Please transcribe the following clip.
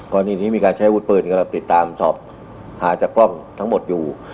กรณีนี้มีการใช้อาวุธปืนกำลังติดตามสอบหาจากกล้องทั้งหมดอยู่